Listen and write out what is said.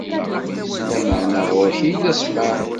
Lameɛna ɣur-k i yella ssmaḥ.